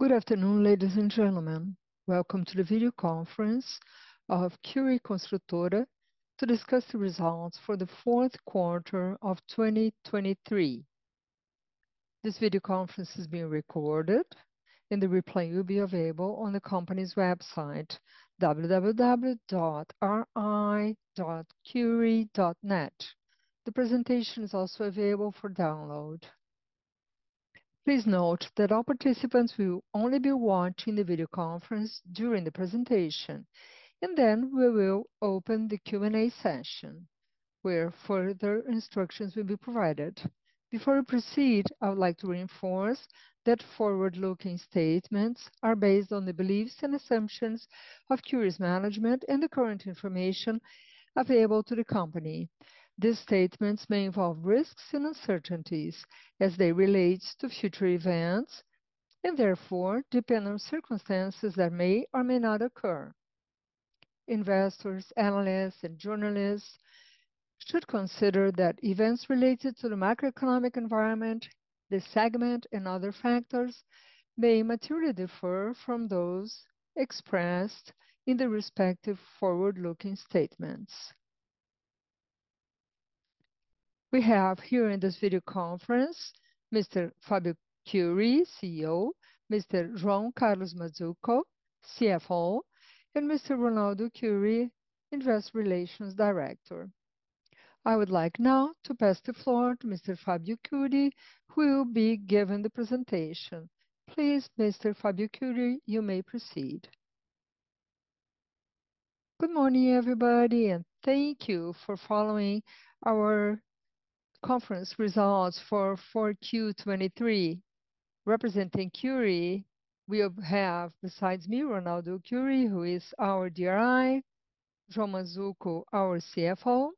Good afternoon, ladies and gentlemen. Welcome to the video conference of Cury Construtora to discuss the Results for the Fourth Quarter of 2023. This video conference is being recorded, and the replay will be available on the company's website, www.ri-cury.net. The presentation is also available for download. Please note that all participants will only be watching the video conference during the presentation, and then we will open the Q&A session, where further instructions will be provided. Before we proceed, I would like to reinforce that forward-looking statements are based on the beliefs and assumptions of Cury's management and the current information available to the company. These statements may involve risks and uncertainties as they relate to future events and therefore depend on circumstances that may or may not occur. Investors, analysts, and journalists should consider that events related to the macroeconomic environment, the segment, and other factors may materially differ from those expressed in the respective forward-looking statements. We have here in this video conference Mr. Fábio Cury, CEO; Mr. João Carlos Mazzuco, CFO; and Mr. Ronaldo Cury, Investor Relations Director. I would like now to pass the floor to Mr. Fábio Cury, who will be giving the presentation. Please, Mr. Fábio Cury, you may proceed. Good morning, everybody, and thank you for following our conference results for 4Q23. Representing Cury, we have, besides me, Ronaldo Cury, who is our DRI; João Mazzuco, our CFO;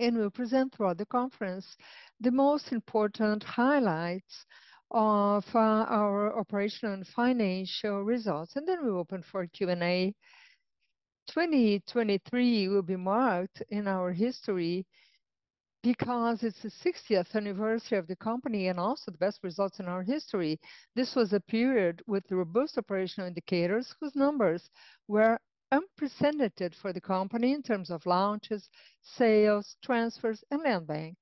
and we'll present throughout the conference the most important highlights of our operational and financial results, and then we'll open for Q&A. 2023 will be marked in our history because it's the 60th anniversary of the company and also the best results in our history. This was a period with robust operational indicators whose numbers were unprecedented for the company in terms of launches, sales, transfers, and land bank.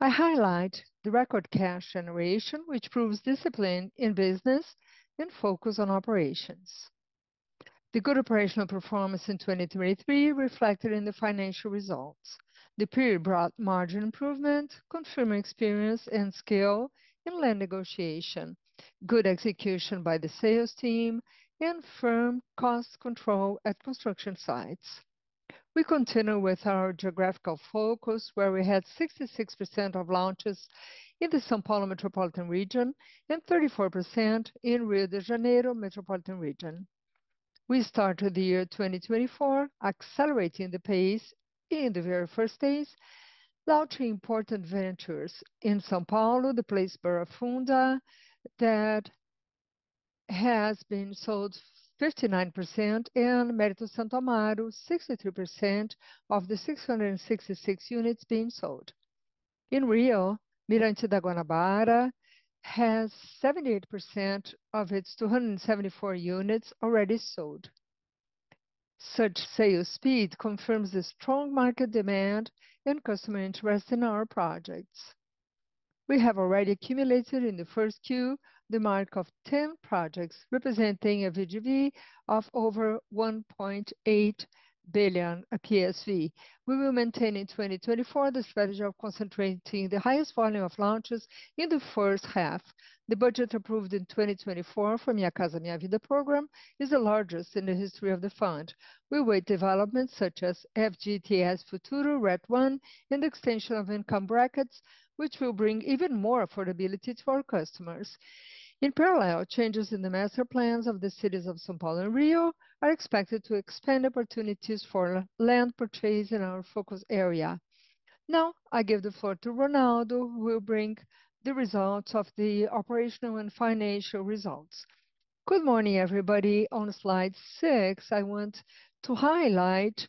I highlight the record cash generation, which proves discipline in business and focus on operations. The good operational performance in 2023 reflected in the financial results. The period brought margin improvement, confirming experience and skill in land negotiation, good execution by the sales team, and firm cost control at construction sites. We continue with our geographical focus, where we had 66% of launches in the São Paulo Metropolitan Region and 34% in Rio de Janeiro Metropolitan Region. We started the year 2024 accelerating the pace in the very first days, launching important ventures in São Paulo, the Place Barra Funda, that has been sold 59%, and Mérito Santo Amaro, 63% of the 666 units being sold. In Rio, Mirante da Guanabara has 78% of its 274 units already sold. Such sales speed confirms the strong market demand and customer interest in our projects. We have already accumulated in the first Q the mark of 10 projects representing a VGV of over 1.8 billion PSV. We will maintain in 2024 the strategy of concentrating the highest volume of launches in the first half. The budget approved in 2024 for Minha Casa Minha Vida program is the largest in the history of the fund. We await developments such as FGTS Futuro RET1 and the extension of income brackets, which will bring even more affordability to our customers. In parallel, changes in the master plans of the cities of São Paulo and Rio are expected to expand opportunities for land purchase in our focus area. Now I give the floor to Ronaldo, who will bring the results of the operational and financial results. Good morning, everybody. On slide six, I want to highlight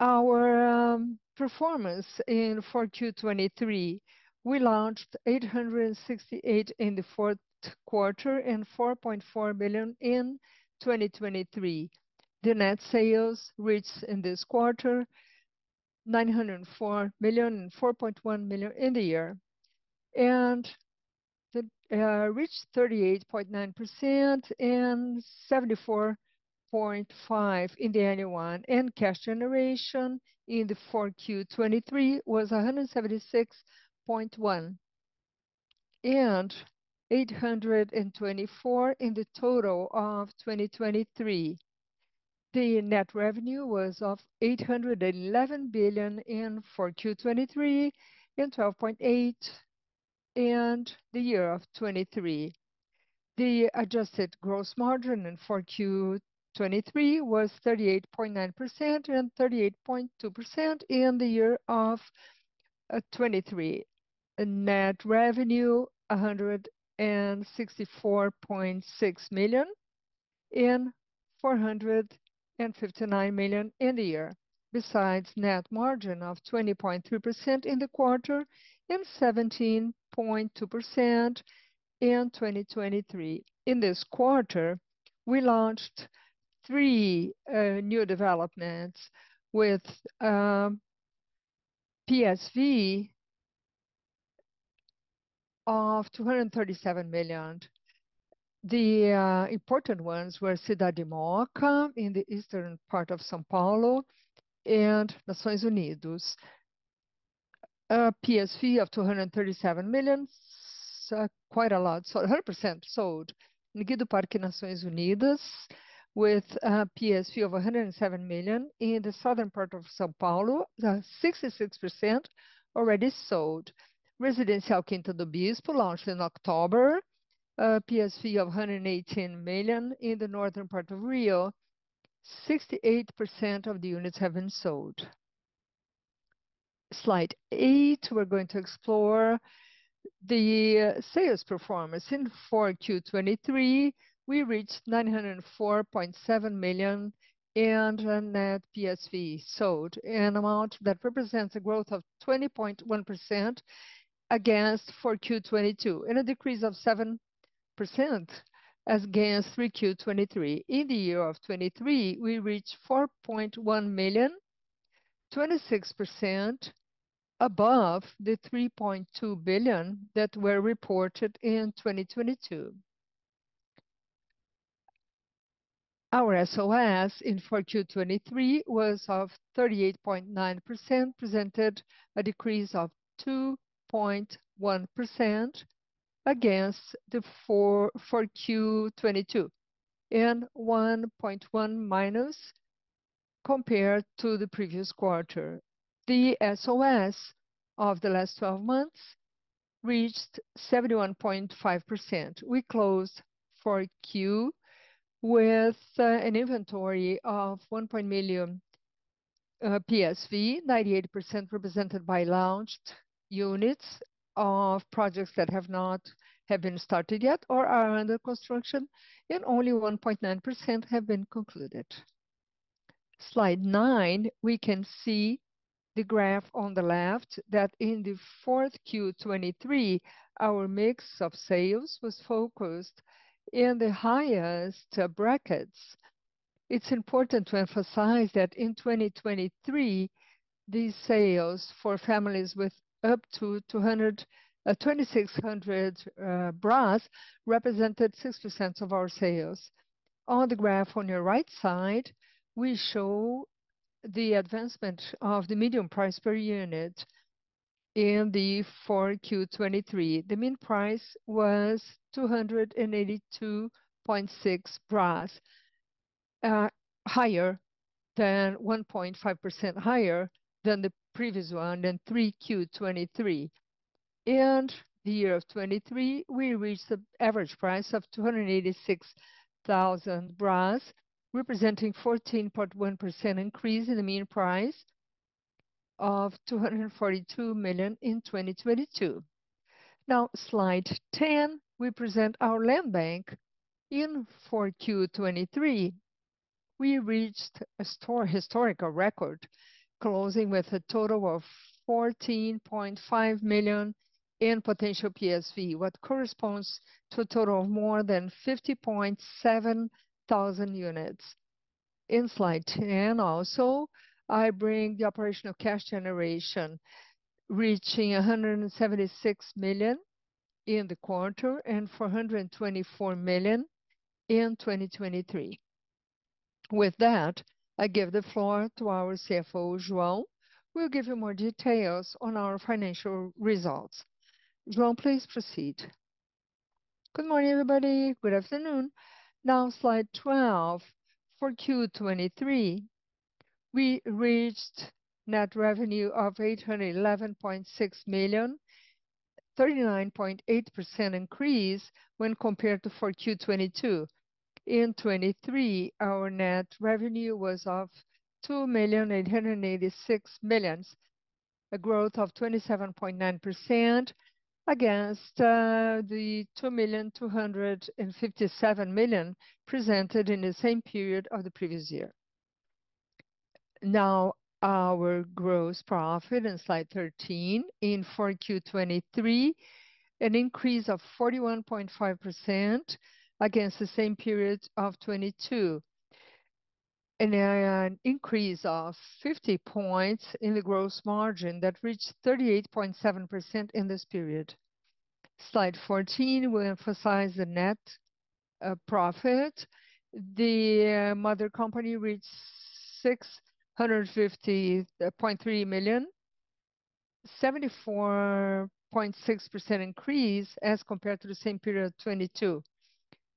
our performance in 4Q23. We launched 868 in the fourth quarter and 4.4 billion in 2023. The net sales reached in this quarter 904 million and 4.1 billion in the year, and reached 38.9% and 74.5% in the annual, and cash generation in the 4Q23 was 176.1 million and 824 million in the total of 2023. The net revenue was 811 million in 4Q23 and 12.8% in the year of 2023. The adjusted gross margin in 4Q23 was 38.9% and 38.2% in the year of 2023, net revenue 164.6 million and 459 million in the year, besides net margin of 20.3% in the quarter and 17.2% in 2023. In this quarter, we launched three new developments with PSV of 237 million. The important ones were Cidade Mooca in the eastern part of São Paulo and Nações Unidas, a PSV of 237 million, quite a lot, so 100% sold, Ninguém do Parque Nações Unidas, with a PSV of 107 million in the southern part of São Paulo, 66% already sold. Residencial Quinta do Bispo launched in October, a PSV of 118 million in the northern part of Rio, 68% of the units having sold. Slide eight, we're going to explore the sales performance. In 4Q23, we reached 904.7 million and a net PSV sold, an amount that represents a growth of 20.1% against 4Q22 and a decrease of 7% against 3Q23. In the year of 2023, we reached 4.1 million, 26% above the 3.2 billion that were reported in 2022. Our SOS in 4Q23 was 38.9%, presented a decrease of 2.1% against the 4Q22 and 1.1% minus compared to the previous quarter. The SOS of the last 12 months reached 71.5%. We closed 4Q with an inventory of 1.0 million PSV, 98% represented by launched units of projects that have not been started yet or are under construction, and only 1.9% have been concluded. Slide 9, we can see the graph on the left that in the fourth Q23, our mix of sales was focused in the highest brackets. It's important to emphasize that in 2023, these sales for families with up to 2,600 represented 6% of our sales. On the graph on your right side, we show the advancement of the medium price per unit in the 4Q23. The mean price was 282.6, 1.5% higher than the previous one in 3Q23. In the year of 2023, we reached the average price of 286,000, representing a 14.1% increase over the mean price of 242,000 in 2022. Now, slide 10, we present our land bank. In 4Q23, we reached a historical record, closing with a total of 14.5 million in potential PSV, what corresponds to a total of more than 50,700 units. In slide 10, also, I bring the operational cash generation, reaching 176 million in the quarter and 424 million in 2023. With that, I give the floor to our CFO, João, who will give you more details on our financial results. João, please proceed. Good morning, everybody. Good afternoon. Now, Slide 12, 4Q23. We reached net revenue of 811.6 million, a 39.8% increase when compared to 4Q22. In 2023, our net revenue was of 2,886 million, a growth of 27.9% against the 2,257 million presented in the same period of the previous year. Now, our gross profit in Slide 13, in 4Q23, an increase of 41.5% against the same period of 2022, and an increase of 50 points in the gross margin that reached 38.7% in this period. Slide 14, we'll emphasize the net profit. The mother company reached 650.3 million, a 74.6% increase as compared to the same period of 2022.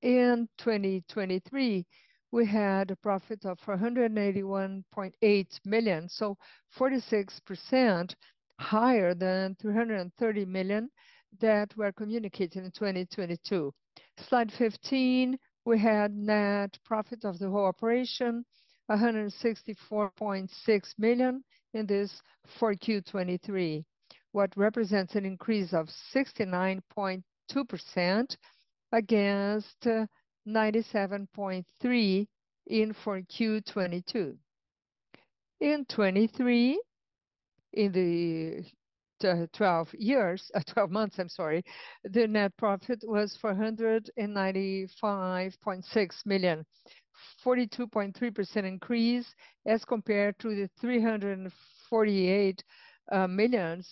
In 2023, we had a profit of 481.8 million, so 46% higher than 330 million that were communicated in 2022. Slide 15, we had net profit of the whole operation, 164.6 million in this 4Q23, what represents an increase of 69.2% against BRL 97.3 million in 4Q22. In 2023, in the 12 years, 12 months, I'm sorry, the net profit was 495.6 million, a 42.3% increase as compared to the 348 million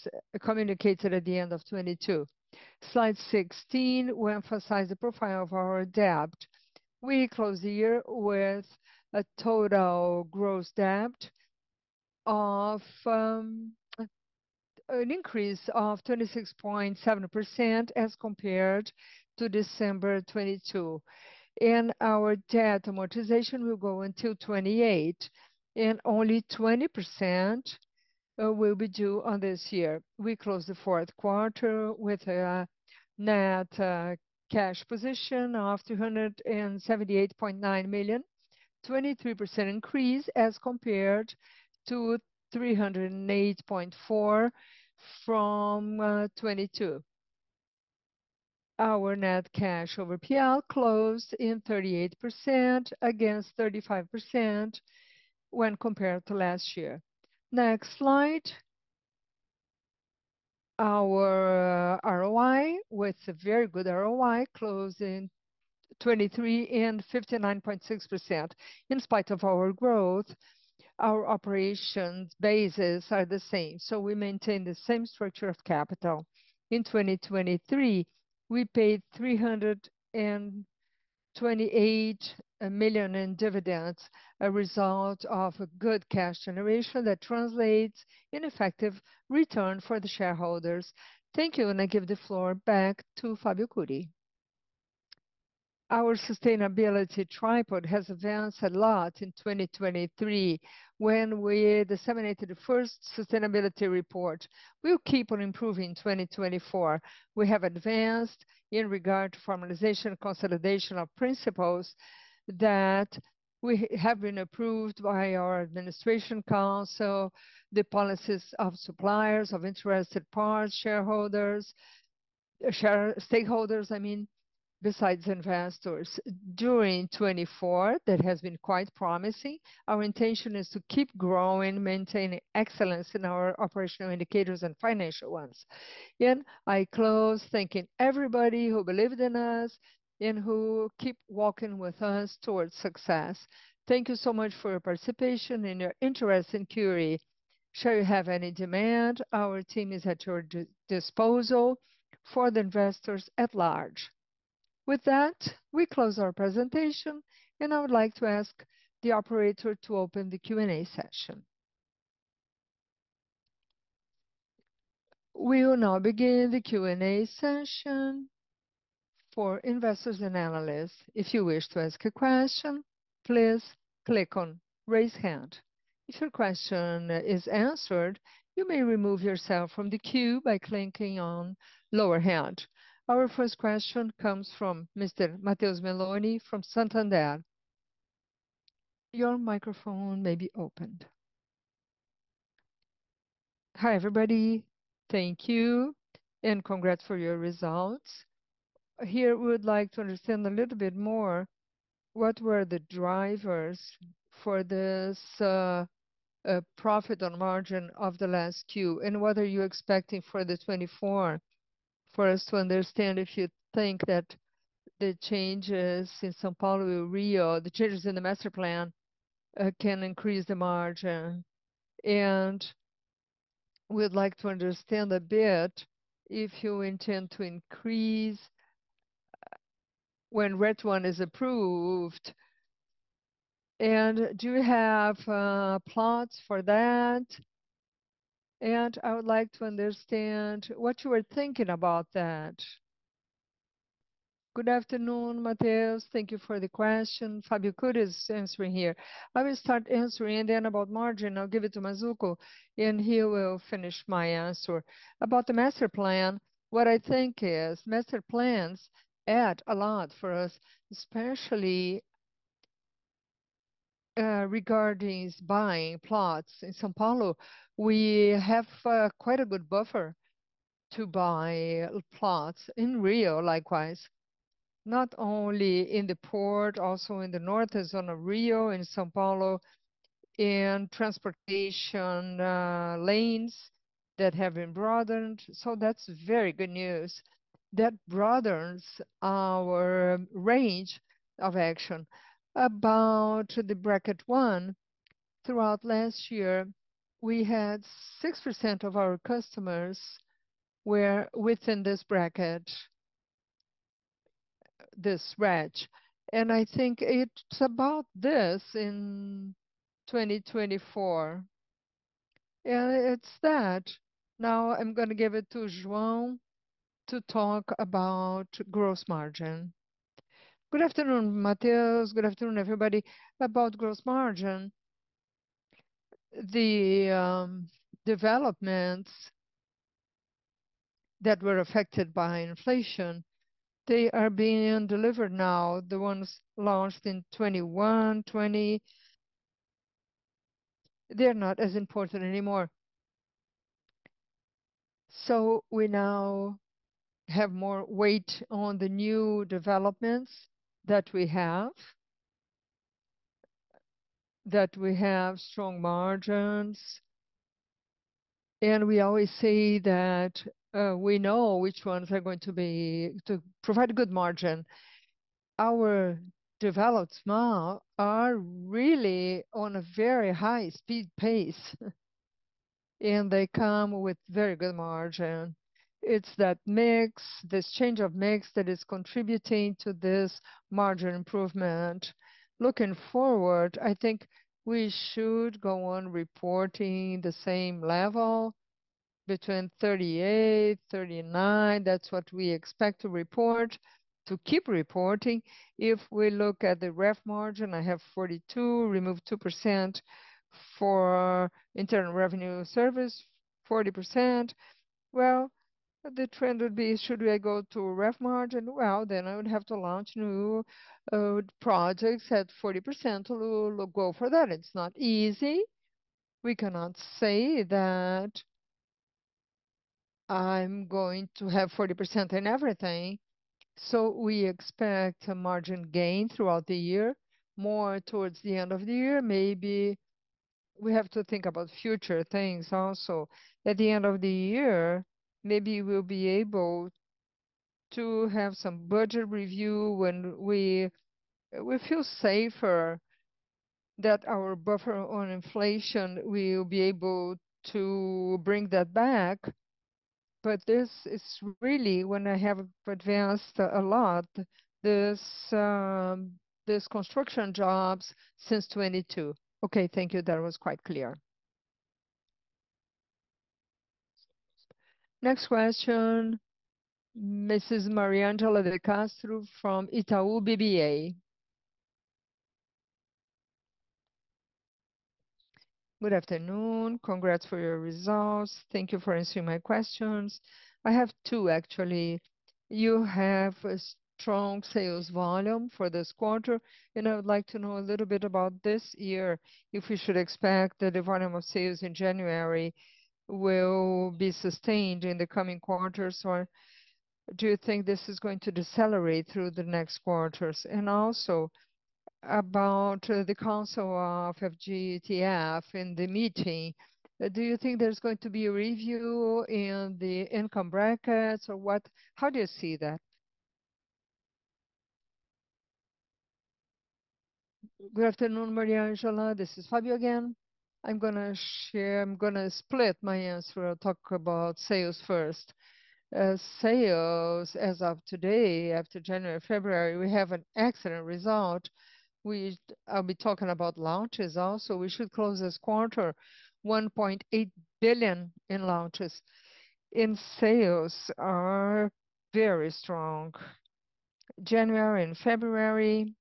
communicated at the end of 2022. Slide 16, we emphasize the profile of our debt. We closed the year with a total gross debt of an increase of 26.7% as compared to December 2022. And our debt amortization will go until 2028, and only 20% will be due on this year. We closed the fourth quarter with a net cash position of 278.9 million, a 23% increase as compared to 308.4 million from 2022. Our net cash over P/L closed in 38% against 35% when compared to last year. Next slide. Our ROI, with a very good ROI, closed in 2023 in 59.6%. In spite of our growth, our operations basis are the same, so we maintain the same structure of capital. In 2023, we paid 328 million in dividends, a result of good cash generation that translates in effective return for the shareholders. Thank you, and I give the floor back to Fábio Cury. Our sustainability tripod has advanced a lot in 2023 when we disseminated the first sustainability report. We'll keep on improving in 2024. We have advanced in regard to formalization and consolidation of principles that have been approved by our administration council, the policies of suppliers, of interested parts, shareholders, share stakeholders, I mean, besides investors. During 2024, that has been quite promising. Our intention is to keep growing, maintaining excellence in our operational indicators and financial ones. I close thanking everybody who believed in us and who keeps walking with us towards success. Thank you so much for your participation and your interest in Cury. Sure, you have any demand. Our team is at your disposal for the investors at large. With that, we close our presentation, and I would like to ask the operator to open the Q&A session. We will now begin the Q&A session for investors and analysts. If you wish to ask a question, please click on "Raise Hand." If your question is answered, you may remove yourself from the queue by clicking on "Lower Hand." Our first question comes from Mr. Matheus Meloni from Santander. Your microphone may be opened. Hi, everybody. Thank you and congrats for your results. Here, we would like to understand a little bit more what were the drivers for this profit on margin of the last Q and whether you're expecting for the 2024 for us to understand if you think that the changes in São Paulo and Rio, the changes in the master plan, can increase the margin. And we'd like to understand a bit if you intend to increase when RET1 is approved. And do you have plots for that? And I would like to understand what you were thinking about that. Good afternoon, Matheus. Thank you for the question. Fábio Cury is answering here. I will start answering and then about margin. I'll give it to Mazzuco, and he will finish my answer. About the master plan, what I think is master plans add a lot for us, especially regarding buying plots in São Paulo. We have quite a good buffer to buy plots in Rio likewise, not only in the port, also in the northern zone of Rio, in São Paulo, and transportation lanes that have been broadened. So that's very good news. That broadens our range of action. About the bracket one, throughout last year, we had 6% of our customers were within this bracket, this stretch. I think it's about this in 2024. And it's that. Now, I'm going to give it to João to talk about gross margin. Good afternoon, Matheus. Good afternoon, everybody. About gross margin, the developments that were affected by inflation, they are being delivered now. The ones launched in 2021, 2020, they're not as important anymore. So we now have more weight on the new developments that we have, that we have strong margins. We always say that we know which ones are going to provide a good margin. Our developments now are really on a very high-speed pace, and they come with very good margin. It's that mix, this change of mix that is contributing to this margin improvement. Looking forward, I think we should go on reporting the same level between 38%-39%. That's what we expect to report, to keep reporting. If we look at the RET margin, I have 42%, remove 2% for Internal Revenue Service, 40%. Well, the trend would be, should we go to RET margin? Well, then I would have to launch new, projects at 40%. We'll go for that. It's not easy. We cannot say that I'm going to have 40% in everything. So we expect a margin gain throughout the year, more towards the end of the year. Maybe we have to think about future things also. At the end of the year, maybe we'll be able to have some budget review when we feel safer that our buffer on inflation will be able to bring that back. But this is really, when I have advanced a lot, this construction jobs since 2022. Okay, thank you. That was quite clear. Next question, Mrs. Mariangela de Castro from Itaú BBA. Good afternoon. Congrats for your results. Thank you for answering my questions. I have two, actually. You have a strong sales volume for this quarter, and I would like to know a little bit about this year. If we should expect that the volume of sales in January will be sustained in the coming quarters, or do you think this is going to decelerate through the next quarters? Also, about the Council of FGTS in the meeting, do you think there's going to be a review in the income brackets, or what? How do you see that? Good afternoon, Mariangela. This is Fábio again. I'm going to share, I'm going to split my answer. I'll talk about sales first. Sales, as of today, after January, February, we have an excellent result. We'll be talking about launches also. We should close this quarter 1.8 billion in launches. And sales are very strong. January and February,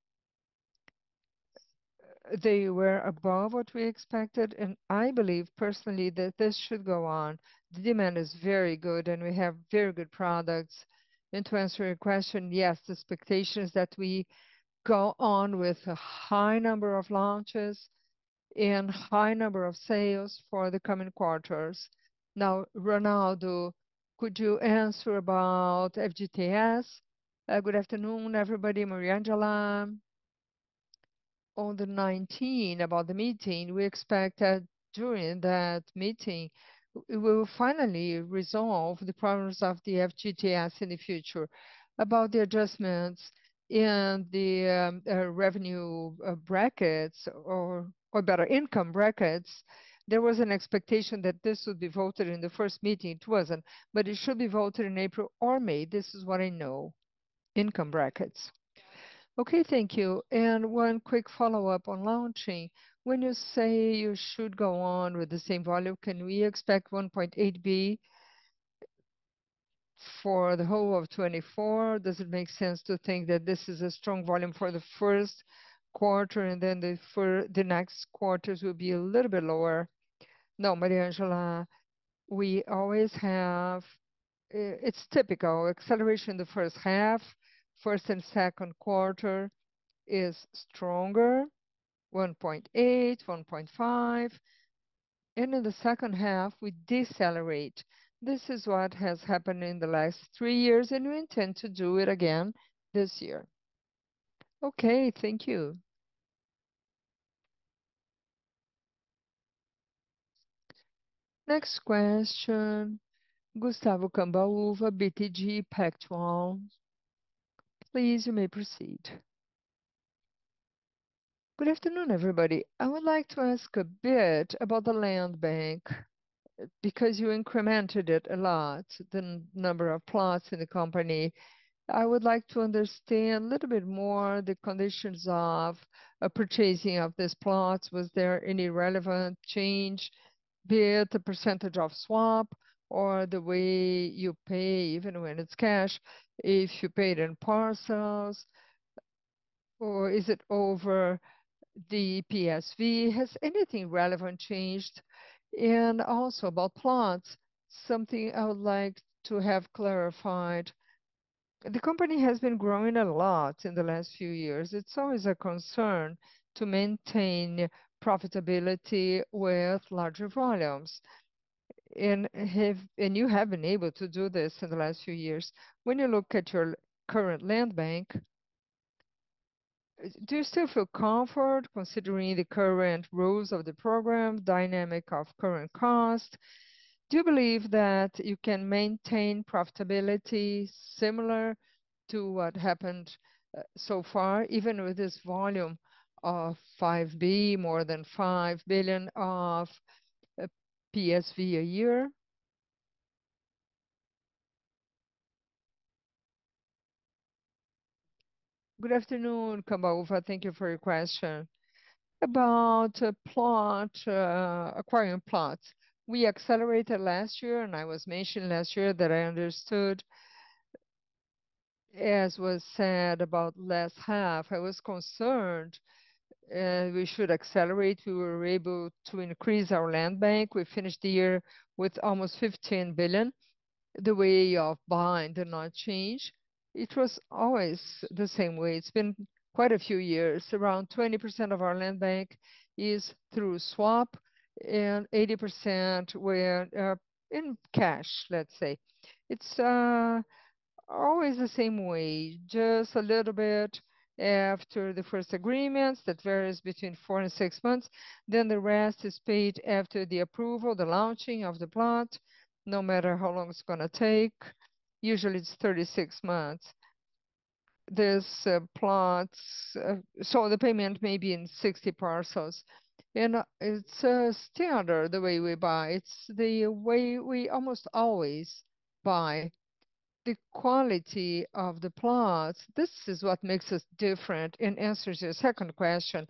they were above what we expected. And I believe personally that this should go on. The demand is very good, and we have very good products. And to answer your question, yes, the expectation is that we go on with a high number of launches and a high number of sales for the coming quarters. Now, Ronaldo, could you answer about FGTS? Good afternoon, everybody, Mariangela. On the 19th, about the meeting, we expect that during that meeting, we will finally resolve the problems of the FGTS in the future. About the adjustments in the revenue brackets, or better, income brackets, there was an expectation that this would be voted in the first meeting. It wasn't, but it should be voted in April or May. This is what I know: income brackets. Okay, thank you. And one quick follow-up on launching. When you say you should go on with the same volume, can we expect 1.8 billion for the whole of 2024? Does it make sense to think that this is a strong volume for the first quarter, and then the next quarters will be a little bit lower? No, Mariangela. We always have, it's typical, acceleration in the first half, first and second quarter is stronger: 1.8 billion, 1.5 billion. In the second half, we decelerate. This is what has happened in the last three years, and we intend to do it again this year. Okay, thank you. Next question, Gustavo Cambauva, BTG Pactual. Please, you may proceed. Good afternoon, everybody. I would like to ask a bit about the land bank because you incremented it a lot, the number of plots in the company. I would like to understand a little bit more the conditions of purchasing of these plots. Was there any relevant change? Bid, the percentage of swap, or the way you pay, even when it's cash, if you paid in parcels? Or is it over the PSV? Has anything relevant changed? And also about plots, something I would like to have clarified. The company has been growing a lot in the last few years. It's always a concern to maintain profitability with larger volumes. Have you been able to do this in the last few years? When you look at your current land bank, do you still feel comfort considering the current rules of the program, dynamic of current cost? Do you believe that you can maintain profitability similar to what happened so far, even with this volume of 5 billion, more than 5 billion of PSV a year? Good afternoon, Cambauva. Thank you for your question. About a plot, acquiring plots, we accelerated last year, and I was mentioning last year that I understood, as was said, about less half. I was concerned we should accelerate. We were able to increase our land bank. We finished the year with almost 15 billion. The way of buying did not change. It was always the same way. It's been quite a few years. Around 20% of our land bank is through swap, and 80% were in cash, let's say. It's always the same way, just a little bit after the first agreements. That varies between four to six months. Then the rest is paid after the approval, the launching of the plot, no matter how long it's going to take. Usually, it's 36 months. These plots, so the payment may be in 60 parcels. And it's a standard, the way we buy. It's the way we almost always buy. The quality of the plots, this is what makes us different in answering your second question.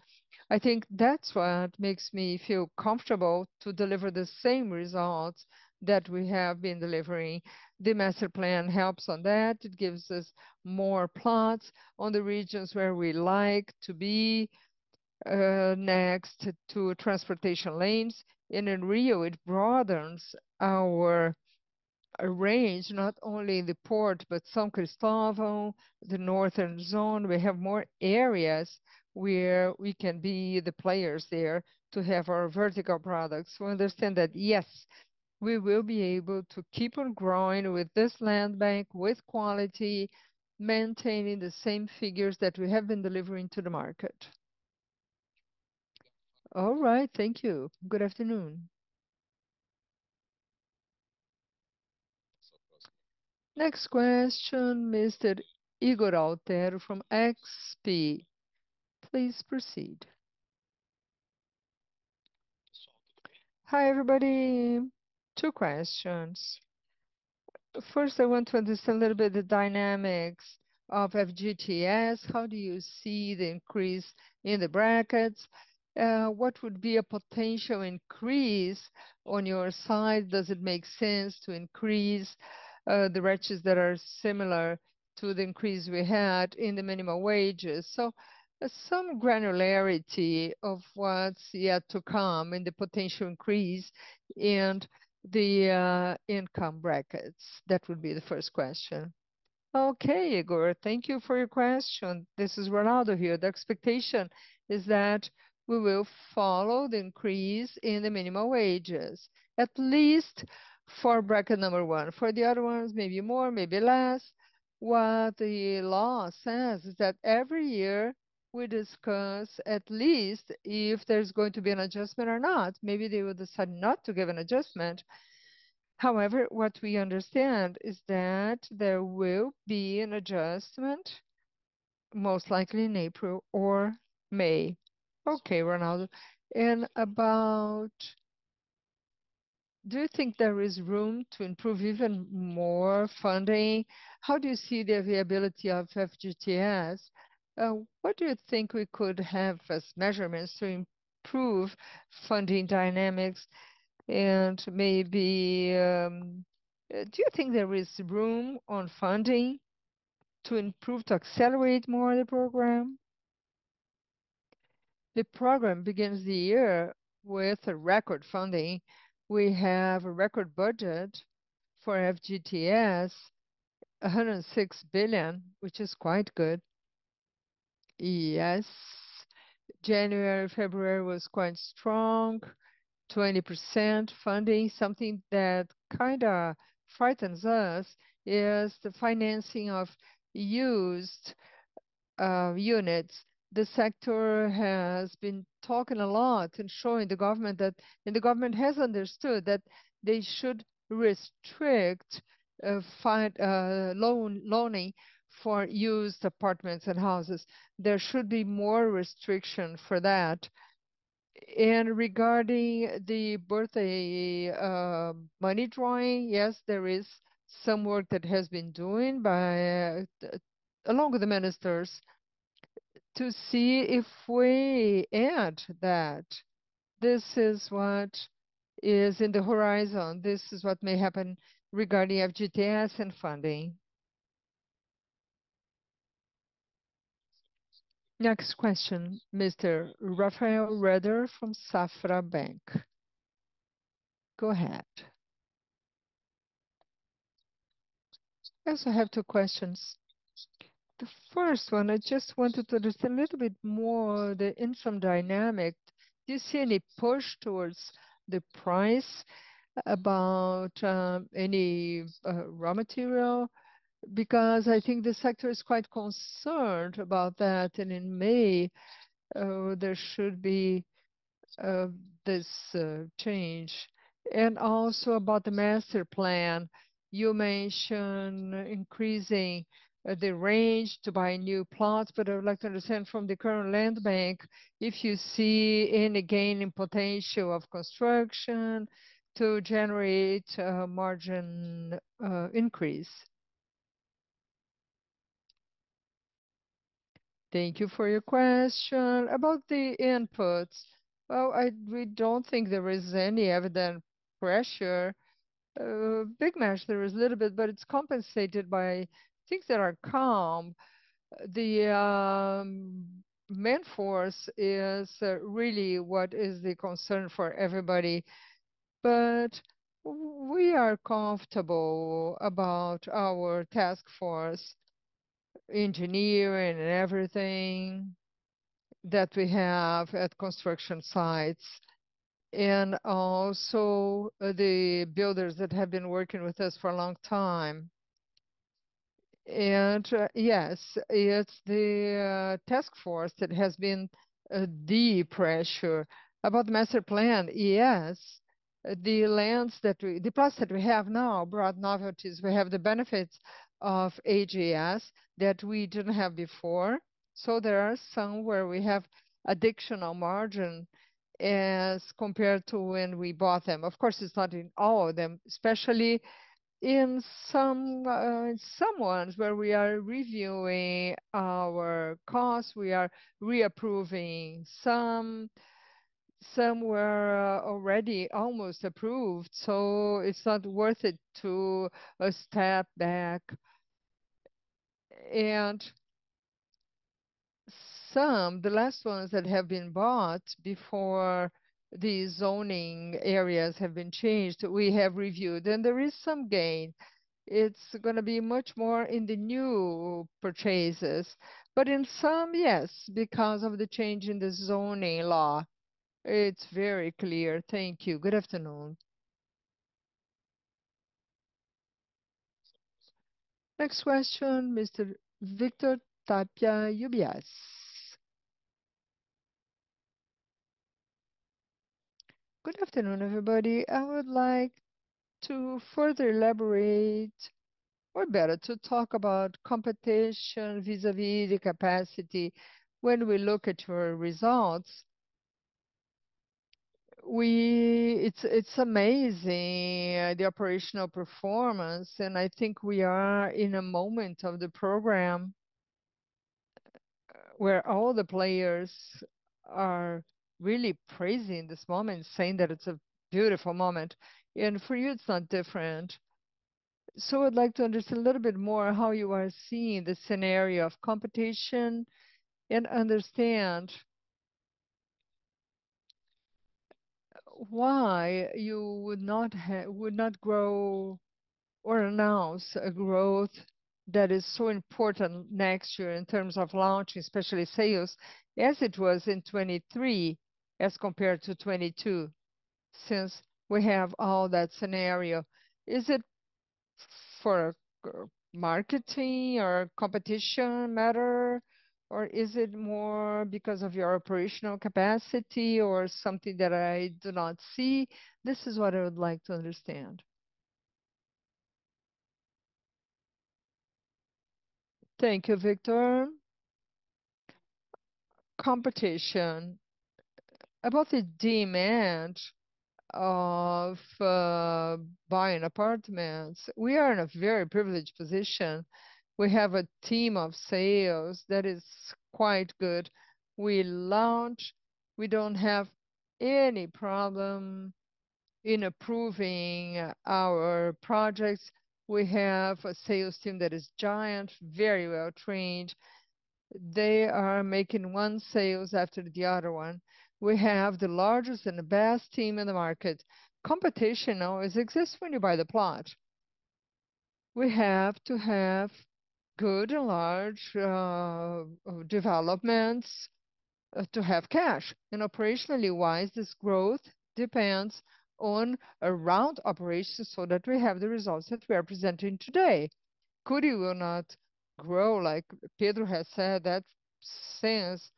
I think that's what makes me feel comfortable to deliver the same results that we have been delivering. The master plan helps on that. It gives us more plots on the regions where we like to be next to transportation lanes. In Rio, it broadens our range, not only the port, but São Cristóvão, the northern zone. We have more areas where we can be the players there to have our vertical products. We understand that, yes, we will be able to keep on growing with this land bank, with quality, maintaining the same figures that we have been delivering to the market. All right, thank you. Good afternoon. Next question, Mr. Ygor Altero from XP. Please proceed. Hi, everybody. Two questions. First, I want to understand a little bit the dynamics of FGTS. How do you see the increase in the brackets? What would be a potential increase on your side? Does it make sense to increase the brackets that are similar to the increase we had in the minimum wages? So, some granularity of what's yet to come in the potential increase in the income brackets. That would be the first question. Okay, Igor, thank you for your question. This is Ronaldo here. The expectation is that we will follow the increase in the minimum wages, at least for bracket number one. For the other ones, maybe more, maybe less. What the law says is that every year we discuss at least if there's going to be an adjustment or not. Maybe they will decide not to give an adjustment. However, what we understand is that there will be an adjustment, most likely in April or May. Okay, Ronaldo. And about, do you think there is room to improve even more funding? How do you see the availability of FGTS? What do you think we could have as measurements to improve funding dynamics? And maybe, do you think there is room on funding to improve, to accelerate more the program? The program begins the year with a record funding. We have a record budget for FGTS, 106 billion, which is quite good. Yes, January, February was quite strong: 20% funding. Something that kind of frightens us is the financing of used units. The sector has been talking a lot and showing the government that, and the government has understood that they should restrict, loaning for used apartments and houses. There should be more restriction for that. And regarding the birthday, money drawing, yes, there is some work that has been done by, along with the ministers to see if we add that. This is what is in the horizon. This is what may happen regarding FGTS and funding. Next question, Mr. Rafael Rehder from Safra Bank. Go ahead. I also have two questions. The first one, I just wanted to understand a little bit more the income dynamic. Do you see any push towards the price about any raw material? Because I think the sector is quite concerned about that. In May, there should be this change. Also about the master plan, you mentioned increasing the range to buy new plots. But I would like to understand from the current land bank if you see any gain in potential of construction to generate a margin increase. Thank you for your question. About the inputs, well, we don't think there is any evident pressure. In cement, there is a little bit, but it's compensated by things that are calm. The manpower is really what is the concern for everybody. But we are comfortable about our workforce, engineering, and everything that we have at construction sites. And also the builders that have been working with us for a long time. Yes, it's the task force that has been a deep pressure. About the master plan, yes, the plots that we have now brought novelties. We have the benefits of AGS that we didn't have before. So there are some where we have additional margin as compared to when we bought them. Of course, it's not in all of them, especially in some, in some ones where we are reviewing our costs. We are reapproving some. Some were already almost approved, so it's not worth it to a step back. And some, the last ones that have been bought before the zoning areas have been changed, we have reviewed. And there is some gain. It's going to be much more in the new purchases. But in some, yes, because of the change in the zoning law, it's very clear. Thank you. Good afternoon. Next question, Mr. Good afternoon, everybody. I would like to further elaborate, or better, to talk about competition vis-à-vis the capacity. When we look at your results, it's, it's amazing, the operational performance. And I think we are in a moment of the program where all the players are really praising this moment, saying that it's a beautiful moment. And for you, it's not different. So I'd like to understand a little bit more how you are seeing the scenario of competition and understand why you would not have, would not grow or announce a growth that is so important next year in terms of launching, especially sales, as it was in 2023 as compared to 2022, since we have all that scenario. Is it for a marketing or competition matter, or is it more because of your operational capacity or something that I do not see? This is what I would like to understand. Thank you, Victor. Competition, about the demand of buying apartments, we are in a very privileged position. We have a team of sales that is quite good. We launch, we don't have any problem in approving our projects. We have a sales team that is giant, very well trained. They are making one sale after the other one. We have the largest and the best team in the market. Competition always exists when you buy the plot. We have to have good and large developments to have cash. Operationally wise, this growth depends on around operations so that we have the results that we are presenting today. Could you or not grow, like Pedro has said, that since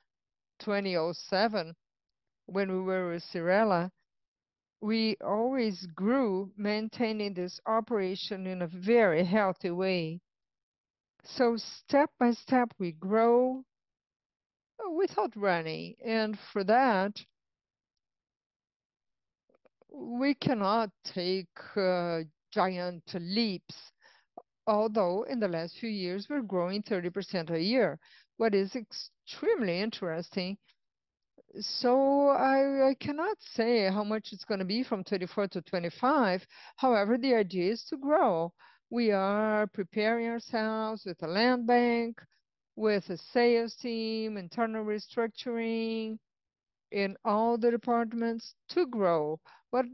2007, when we were with Cyrela, we always grew maintaining this operation in a very healthy way. So step by step, we grow without running. And for that, we cannot take giant leaps. Although in the last few years, we're growing 30% a year, what is extremely interesting. So I cannot say how much it's going to be from 2024 to 2025. However, the idea is to grow. We are preparing ourselves with a land bank, with a sales team, internal restructuring in all the departments to grow. What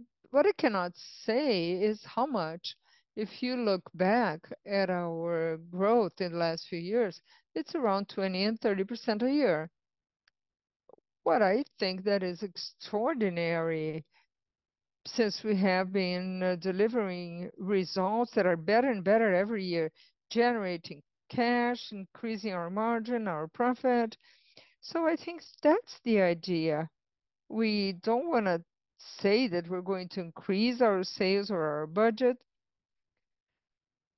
I cannot say is how much, if you look back at our growth in the last few years, it's around 20%-30% a year. What I think that is extraordinary since we have been delivering results that are better and better every year, generating cash, increasing our margin, our profit. So I think that's the idea. We don't want to say that we're going to increase our sales or our budget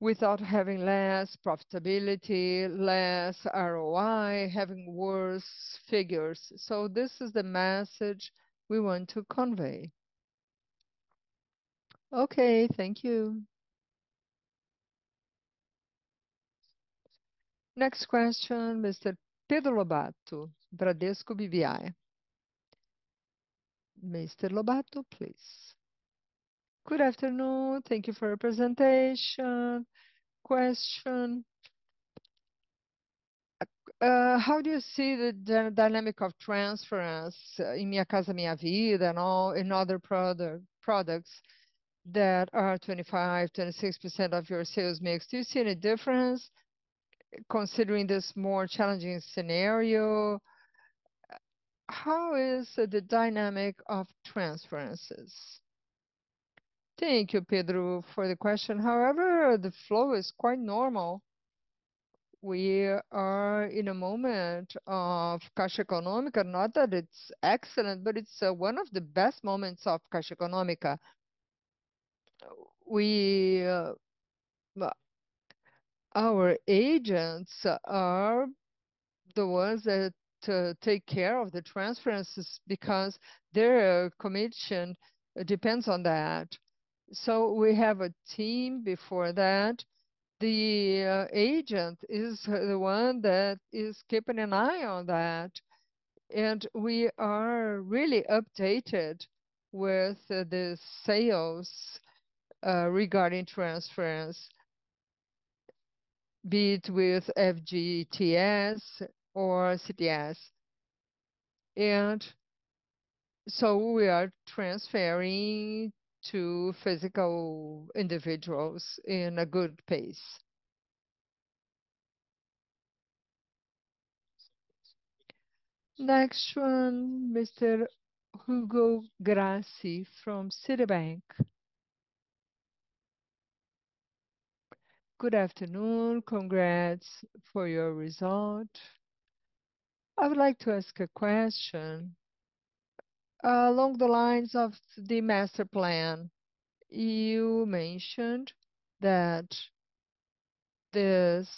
without having less profitability, less ROI, having worse figures. So this is the message we want to convey. Okay, thank you. Next question, Mr. Pedro Lobato, Bradesco BBI. Mr. Lobato, please. Good afternoon. Thank you for your presentation. Question. How do you see the dynamic of transference in Minha Casa Minha Vida and all in other products that are 25%-26% of your sales mix? Do you see any difference considering this more challenging scenario? How is the dynamic of transferences? Thank you, Pedro, for the question. However, the flow is quite normal. We are in a moment of Caixa Econômica, not that it's excellent, but it's one of the best moments of Caixa Econômica. Our agents are the ones that take care of the transferences because their commission depends on that. So we have a team before that. The agent is the one that is keeping an eye on that. And we are really updated with the sales regarding transference, be it with FGTS or CTS. And so we are transferring to physical individuals in a good pace. Next one, Mr. Hugo Grassi from Citibank. Good afternoon. Congrats for your result. I would like to ask a question. Along the lines of the master plan, you mentioned that this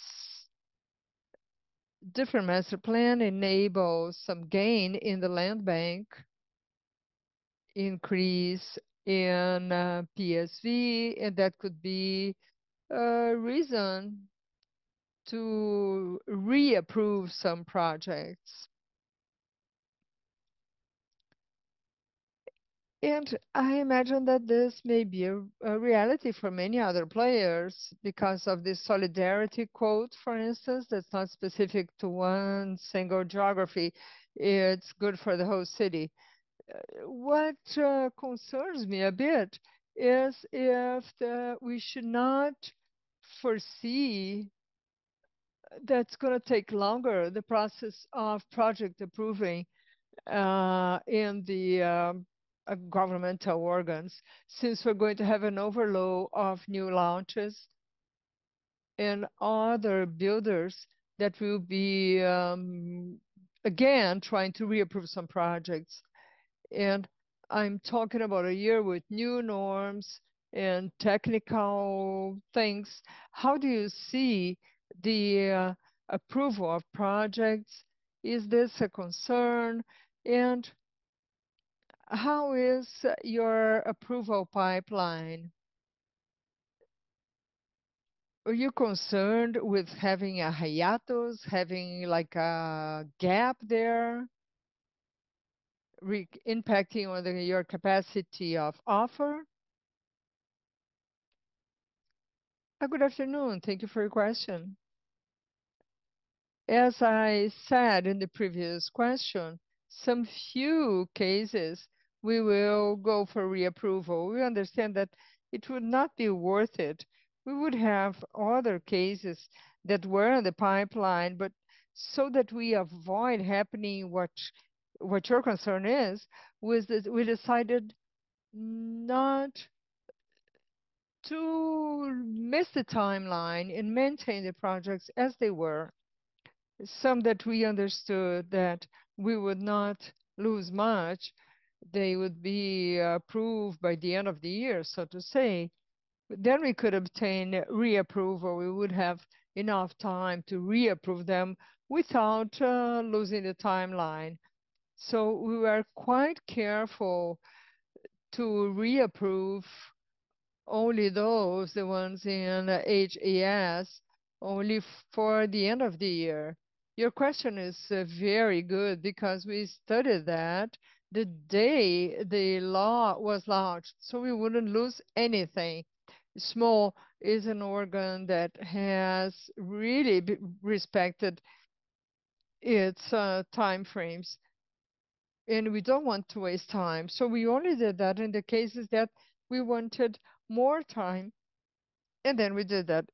different master plan enables some gain in the land bank, increase in PSV, and that could be a reason to reapprove some projects. And I imagine that this may be a reality for many other players because of this solidarity quote, for instance, that's not specific to one single geography. It's good for the whole city. What concerns me a bit is if we should not foresee that it's going to take longer, the process of project approving in the governmental organs, since we're going to have an overload of new launches and other builders that will be, again, trying to reapprove some projects. I'm talking about a year with new norms and technical things. How do you see the approval of projects? Is this a concern? How is your approval pipeline? Are you concerned with having a hiatus, having like a gap there impacting on your capacity of offer? Good afternoon. Thank you for your question. As I said in the previous question, some few cases we will go for reapproval. We understand that it would not be worth it. We would have other cases that were in the pipeline, but so that we avoid happening what your concern is, we decided not to miss the timeline and maintain the projects as they were. Some that we understood that we would not lose much. They would be approved by the end of the year, so to say. Then we could obtain reapproval. We would have enough time to reapprove them without losing the timeline. So we were quite careful to reapprove only those, the ones in HES, only for the end of the year. Your question is very good because we studied that the day the law was launched, so we wouldn't lose anything. SMO is an organ that has really respected its timeframes. And we don't want to waste time. So we only did that in the cases that we wanted more time. And then we did that.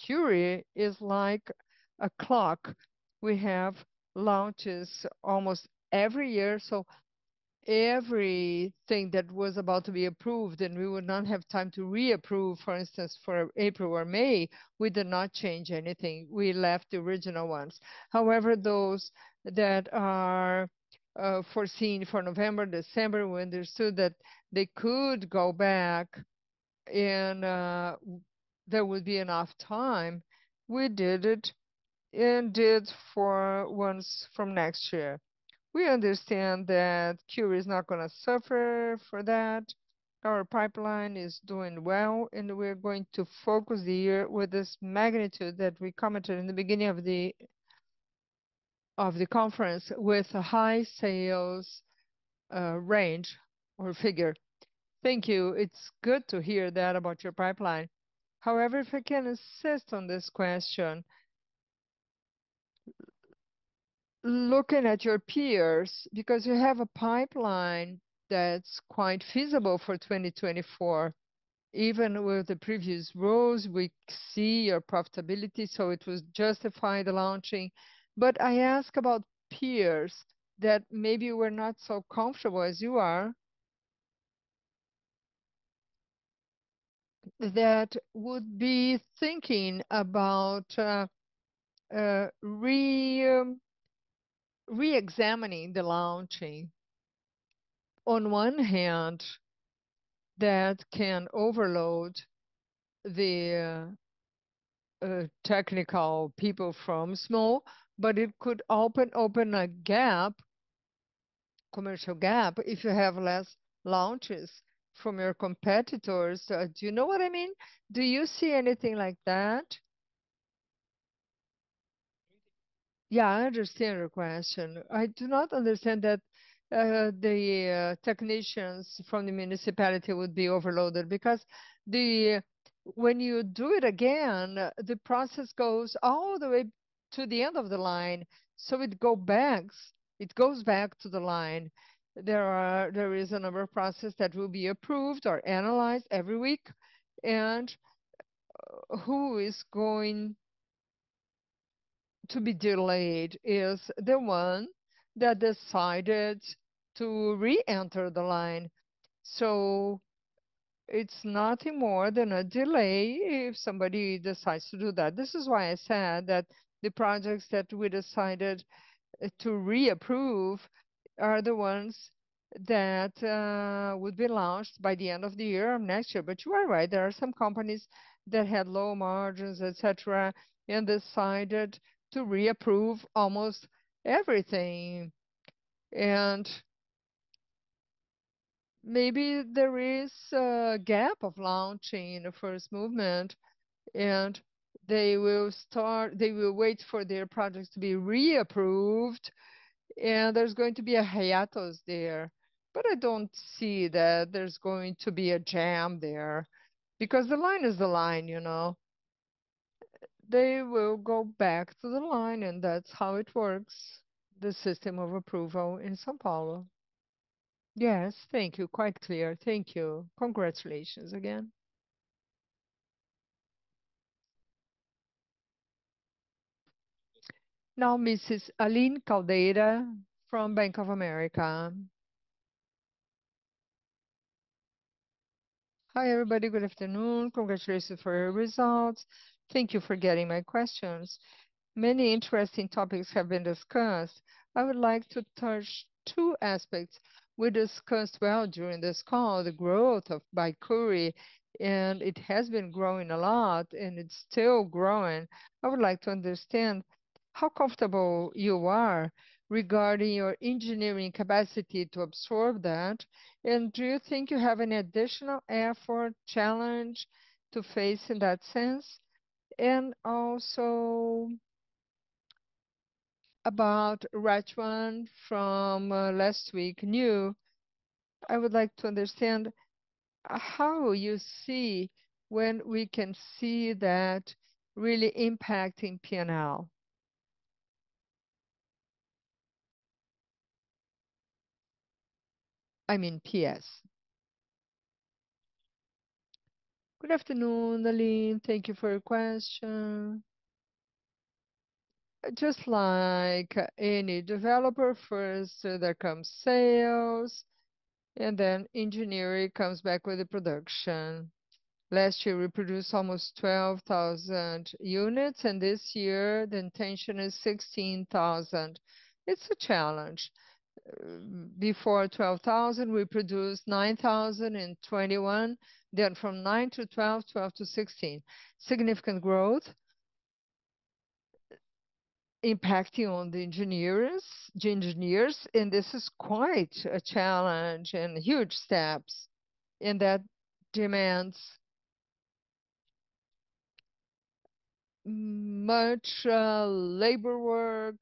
Cury is like a clock. We have launches almost every year. So everything that was about to be approved and we would not have time to reapprove, for instance, for April or May, we did not change anything. We left the original ones. However, those that are foreseen for November, December, we understood that they could go back and there would be enough time. We did it and did for once from next year. We understand that Cury is not going to suffer for that. Our pipeline is doing well. And we're going to focus the year with this magnitude that we commented in the beginning of the conference with a high sales range or figure. Thank you. It's good to hear that about your pipeline. However, if I can insist on this question, looking at your peers, because you have a pipeline that's quite feasible for 2024, even with the previous rules, we see your profitability. So it was justified the launching. But I ask about peers that maybe were not so comfortable as you are, that would be thinking about reexamining the launching. On one hand, that can overload the technical people from SMO, but it could open, open a gap, commercial gap, if you have less launches from your competitors. Do you know what I mean? Do you see anything like that? Yeah, I understand your question. I do not understand that the technicians from the municipality would be overloaded because when you do it again, the process goes all the way to the end of the line. So it goes back. It goes back to the line. There is a number of processes that will be approved or analyzed every week. And who is going to be delayed is the one that decided to reenter the line. So it's nothing more than a delay if somebody decides to do that. This is why I said that the projects that we decided to reapprove are the ones that would be launched by the end of the year or next year. But you are right. There are some companies that had low margins, etc., and decided to reapprove almost everything. And maybe there is a gap of launching in the first movement, and they will wait for their projects to be reapproved. And there's going to be a hiatus there. But I don't see that there's going to be a jam there because the line is the line, you know. They will go back to the line, and that's how it works, the system of approval in São Paulo. Yes, thank you. Quite clear. Thank you. Congratulations again. Now, Mrs. Aline Caldeira from Bank of America. Hi everybody. Good afternoon. Congratulations for your results. Thank you for getting my questions. Many interesting topics have been discussed. I would like to touch two aspects we discussed well during this call, the growth by Cury, and it has been growing a lot, and it's still growing. I would like to understand how comfortable you are regarding your engineering capacity to absorb that. And do you think you have any additional effort, challenge to face in that sense? And also about RET 1 from last week, new. I would like to understand how you see when we can see that really impacting P&L. I mean EPS. Good afternoon, Aline. Thank you for your question. Just like any developer, first there comes sales, and then engineering comes back with the production. Last year, we produced almost 12,000 units, and this year the intention is 16,000. It's a challenge. Before 12,000, we produced 9,000 in 2021, then from nine to 12, 12 to 16. Significant growth impacting on the engineers, the engineers, and this is quite a challenge and huge steps, and that demands much labor work,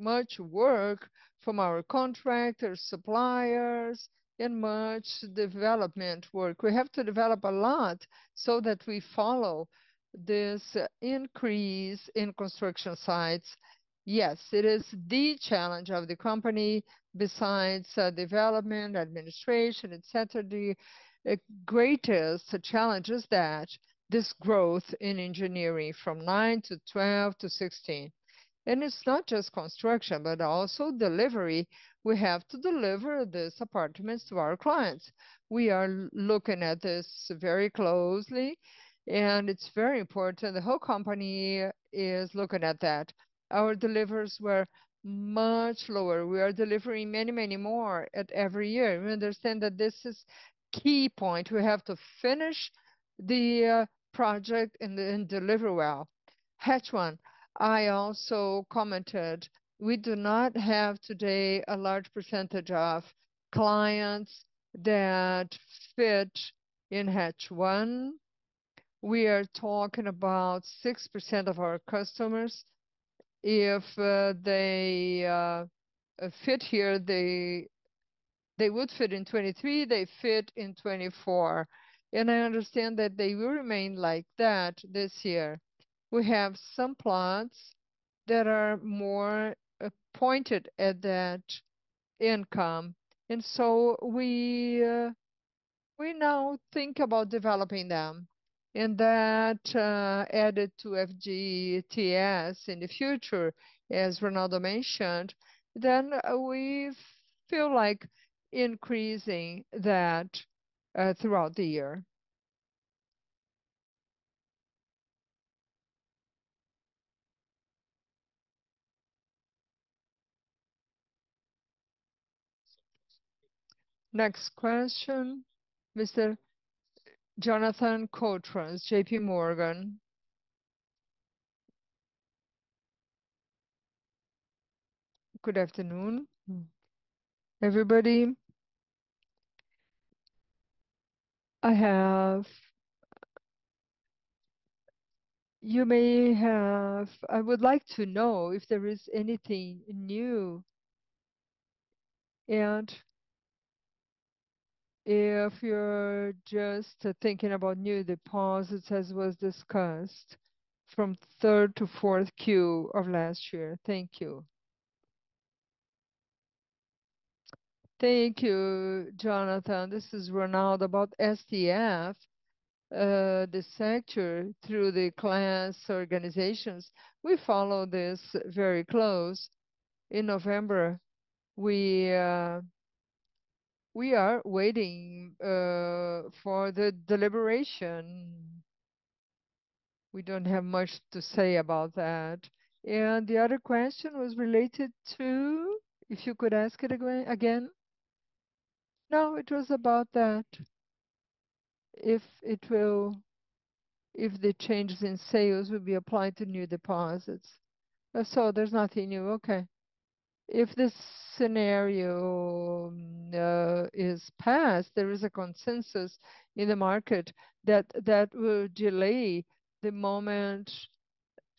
much work from our contractors, suppliers, and much development work. We have to develop a lot so that we follow this increase in construction sites. Yes, it is the challenge of the company besides development, administration, etc. The greatest challenge is that this growth in engineering from nine to 12 to 16. It's not just construction, but also delivery. We have to deliver these apartments to our clients. We are looking at this very closely, and it's very important. The whole company is looking at that. Our deliveries were much lower. We are delivering many, many more every year. We understand that this is a key point. We have to finish the project and deliver well. Faixa 1, I also commented, we do not have today a large percentage of clients that fit in Faixa 1. We are talking about 6% of our customers. If they fit here, they would fit in 2023. They fit in 2024. And I understand that they will remain like that this year. We have some plots that are more pointed at that income. And so we, we now think about developing them. And that, added to FGTS in the future, as Ronaldo mentioned, then we feel like increasing that, throughout the year. Next question, Mr. Jonathan Koutras, JPMorgan. Good afternoon, everybody. I have, you may have, I would like to know if there is anything new and if you're just thinking about new deposits as was discussed from third to fourth Q of last year. Thank you. Thank you, Jonathan. This is Ronaldo about STF, the sector through the class organizations. We follow this very close. In November, we are waiting for the deliberation. We don't have much to say about that. And the other question was related to, if you could ask it again. No, it was about that. If it will, if the changes in sales will be applied to new deposits. So there's nothing new. Okay. If this scenario is passed, there is a consensus in the market that that will delay the moment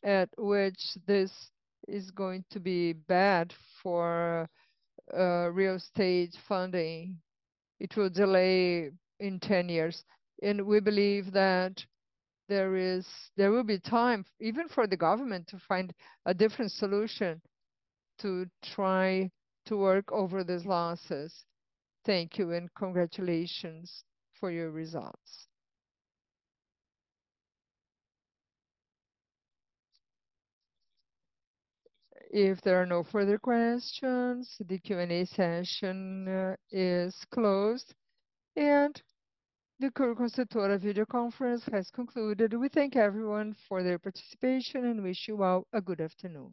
at which this is going to be bad for real estate funding. It will delay in 10 years. We believe that there will be time even for the government to find a different solution to try to work over these losses. Thank you and congratulations for your results. If there are no further questions, the Q&A session is closed. The Cury Construtora video conference has concluded. We thank everyone for their participation and wish you all a good afternoon.